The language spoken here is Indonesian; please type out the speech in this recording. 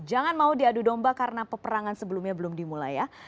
jangan mau diadu domba karena peperangan sebelumnya belum dimulai ya